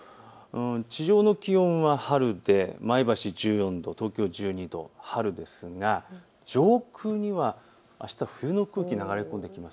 地上の気温は春で前橋１４度、東京１２度、春ですが、上空にはあした、冬の空気が流れ込んできます。